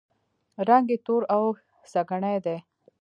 رنګ یې تور او سکڼۍ دی.